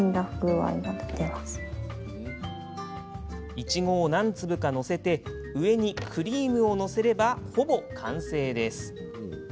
いちごを何粒か載せて上にクリームを載せれば、ほぼ完成。